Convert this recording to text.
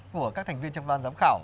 của các thành viên trong văn giám khảo